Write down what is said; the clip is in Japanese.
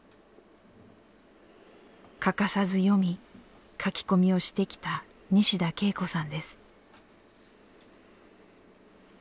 欠かさず読み書き込みをしてきた西田恵子さんです。